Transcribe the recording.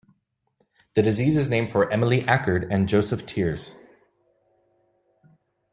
The disease is named for Emile Achard and Joseph Thiers.